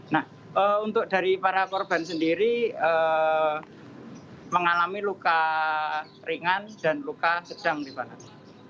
nah untuk dari para korban sendiri mengalami luka ringan dan luka sedang dibalas